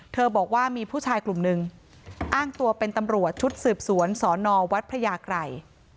บอกว่ามีผู้ชายกลุ่มหนึ่งอ้างตัวเป็นตำรวจชุดสืบสวนสอนอวัดพระยากรัย